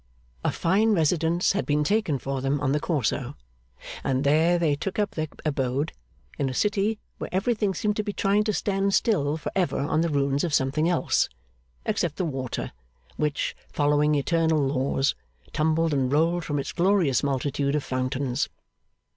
A fine residence had been taken for them on the Corso, and there they took up their abode, in a city where everything seemed to be trying to stand still for ever on the ruins of something else except the water, which, following eternal laws, tumbled and rolled from its glorious multitude of fountains.